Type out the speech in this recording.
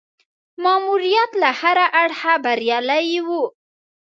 ماموریت له هره اړخه بریالی وو.